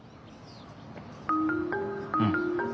うん。